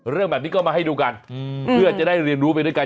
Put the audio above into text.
เรื่องแบบนี้ก็มาให้ดูกันเพื่อจะได้เรียนรู้ไปด้วยกัน